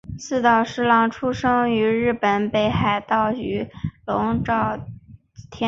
寺岛实郎出生于日本北海道雨龙郡沼田町。